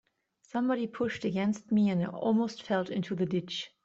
Somebody pushed against me, and I almost fell into the ditch.